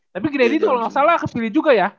tapi grady tuh kalau gak salah kepilih juga ya